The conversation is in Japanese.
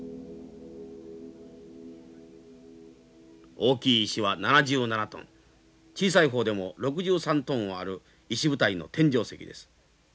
大きい石は７７トン小さい方でも６３トンある石舞台の天井石です。